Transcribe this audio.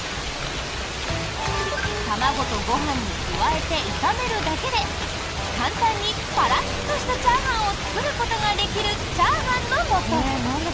卵とご飯に加えて炒めるだけで簡単にパラッとしたチャーハンを作ることができるチャーハンのもと。